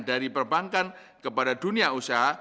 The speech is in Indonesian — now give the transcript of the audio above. dari perbankan kepada dunia usaha